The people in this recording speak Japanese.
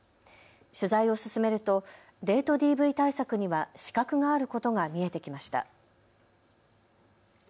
取材を進めるとデートＤＶ対策には死角があることが見えてきました。